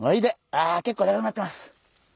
あ結構でかくなってます！